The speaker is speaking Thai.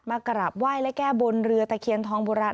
กราบไหว้และแก้บนเรือตะเคียนทองโบราณ